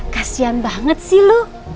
kasian banget sih lu